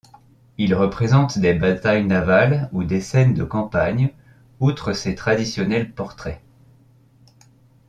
Il représente des batailles navales ou des scènes de campagne, outre ses traditionnels portraits.